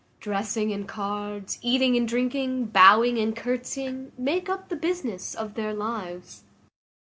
Dressing and cards, eating and drinking, bowing and courtesying, make up the business of their lives.